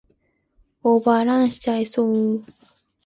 オーバーランしちゃいそう